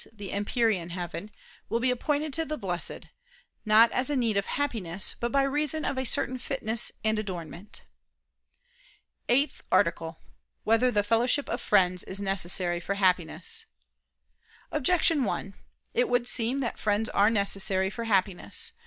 the empyrean heaven, will be appointed to the Blessed, not as a need of Happiness, but by reason of a certain fitness and adornment. ________________________ EIGHTH ARTICLE [I II, Q. 4, Art. 8] Whether the Fellowship of Friends Is Necessary for Happiness? Objection 1: It would seem that friends are necessary for Happiness.